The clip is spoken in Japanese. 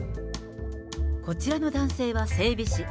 こちらの男性は整備士。